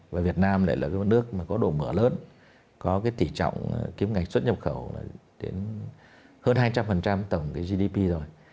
và việt nam lại là cái nước mà có độ mở lớn có cái tỉ trọng kiếm ngạch xuất nhập khẩu là đến hơn hai trăm linh tổng cái gdp rồi